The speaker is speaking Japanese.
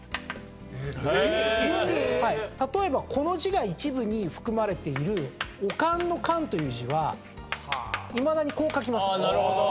例えばこの字が一部に含まれているお燗の燗という字はいまだにこう書きます。